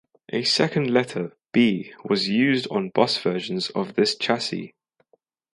A second letter "B" was used on bus versions of this chassis.